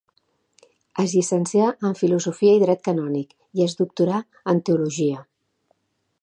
Es llicencià en filosofia i dret canònic, i es doctorà en teologia.